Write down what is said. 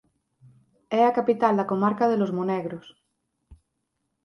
É a capital da comarca de Los Monegros.